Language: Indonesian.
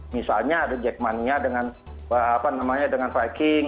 misalnya ada jackmania dengan viking